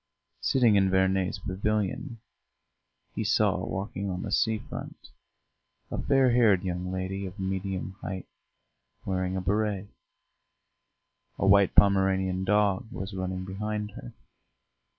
Sitting in Verney's pavilion, he saw, walking on the sea front, a fair haired young lady of medium height, wearing a béret; a white Pomeranian dog was running behind her.